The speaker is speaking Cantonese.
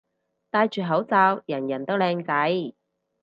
戴住口罩人人都靚仔